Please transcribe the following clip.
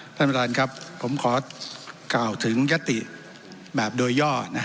ท่านประธานครับผมขอกล่าวถึงยติแบบโดยย่อ